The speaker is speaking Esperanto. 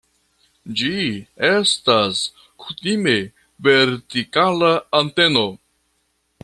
Ĝi estas kutime vertikala anteno.